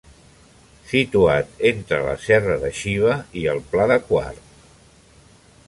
Situat entre la serra de Xiva i el Pla de Quart.